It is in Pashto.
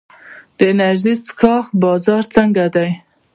د انرژي څښاک بازار څنګه دی؟